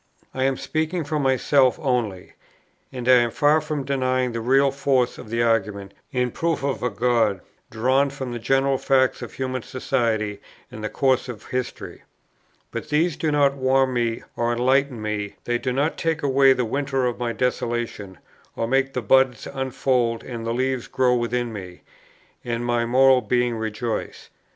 I am speaking for myself only; and I am far from denying the real force of the arguments in proof of a God, drawn from the general facts of human society and the course of history, but these do not warm me or enlighten me; they do not take away the winter of my desolation, or make the buds unfold and the leaves grow within me, and my moral being rejoice.